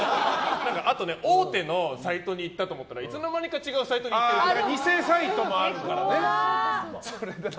あとね、大手のサイトに行ったと思ったらいつの間にか違うサイトに行ってることある。